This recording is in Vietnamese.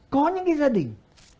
có những cái gia đình